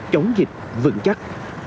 chống dịch vững chắc